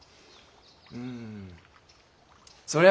うんそりゃ